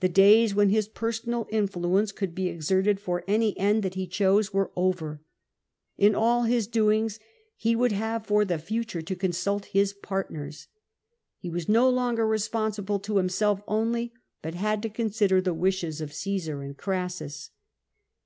The days when his personal influen ce could be exerted for any end that he chose were over : in all his doings he would have for the future to consult his part ners. He was no longer responsible to himself only, but had to consider the wishes of Caesar and Crassus.